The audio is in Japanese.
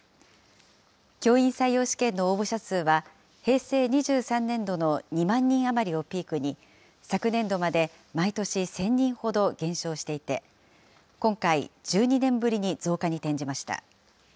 教員採用試験の応募者数は、平成２３年度の２万人余りをピークに昨年度まで毎年１０００人ほど減少していて、今回、１２年ぶりに増加に転じました。